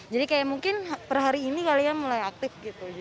jadi kayak mungkin per hari ini kalian mulai aktif gitu